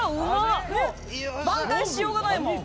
挽回しようがないもん。